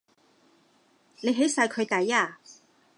你起晒佢底呀？